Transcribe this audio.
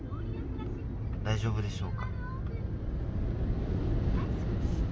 大丈夫でしょうか。